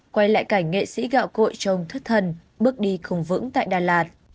quay lại cảnh nghệ sĩ gạo cội trông thất thần bước đi khủng vững tại đà lạt